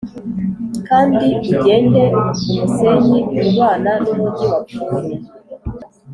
kandi ugende umusenyi urwana numujyi wapfuye.